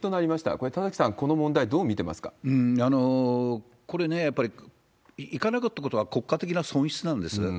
これ、田崎さん、これね、やっぱり、行かなかったことは国家的な損失なんです。